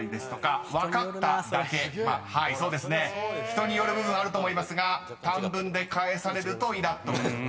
［人による部分あると思いますが短文で返されるとイラッとくると。